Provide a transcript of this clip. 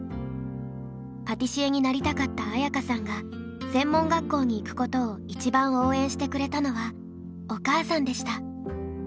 パティシエになりたかった綾華さんが専門学校に行くことを一番応援してくれたのはお母さんでした。